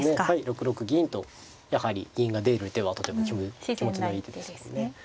６六銀とやはり銀が出る手はとても気持ちのいい手ですね。